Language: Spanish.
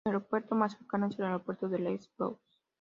El aeropuerto más cercano es aeropuerto de Leeds Bradford.